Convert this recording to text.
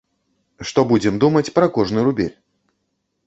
Што будзем думаць пра кожны рубель.